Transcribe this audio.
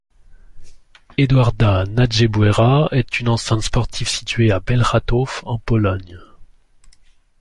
Edwarda Najgebauera est une enceinte sportive située à Bełchatów en Pologne.